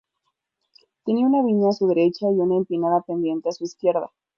Tenía una viña a su derecha y una empinada pendiente a su izquierda.